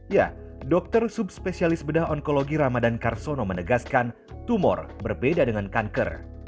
ya dokter subspesialis bedah onkologi ramadan karsono menegaskan tumor berbeda dengan kanker